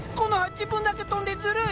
自分だけ飛んでずるい！